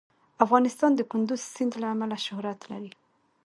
افغانستان د کندز سیند له امله شهرت لري.